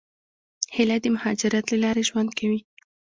هیلۍ د مهاجرت له لارې ژوند کوي